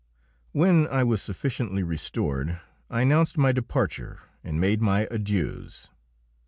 When I was sufficiently restored I announced my departure and made my adieus.